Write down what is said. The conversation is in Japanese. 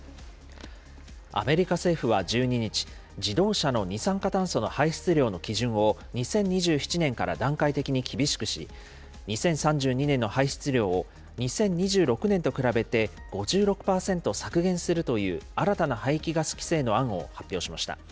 アメリカ政府は１２日、自動車の二酸化炭素の排出量の基準を２０２７年から段階的に厳しくし、２０３２年の排出量を２０２６年と比べて５６％削減するという新たな排気ガス規制の案を発表しました。